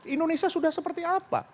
indonesia sudah seperti apa